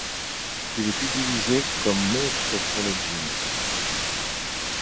Il est utilisé entre autres pour des jeans.